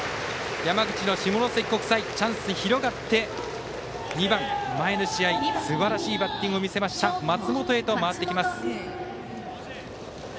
山口の下関国際チャンス広がって２番、前の試合すばらしいバッティングを見せた松本へと回ってきます。